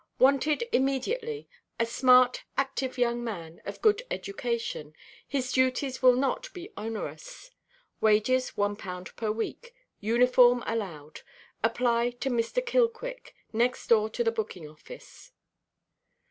"Wanted immediately, a smart active young man, of good education. His duties will not be onerous. Wages one pound per week. Uniform allowed. Apply to Mr. Killquick, next door to the booking–office."